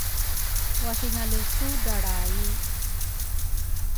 Wathingale su dralray?